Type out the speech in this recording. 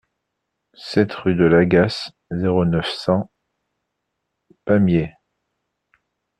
sept rue de l'Agasse, zéro neuf, cent, Pamiers